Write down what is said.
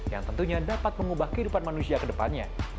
yang tentunya dapat mengubah kehidupan manusia ke depannya